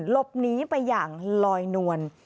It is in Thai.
หลบหนีไปอย่างลอยนวล